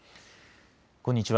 こんにちは。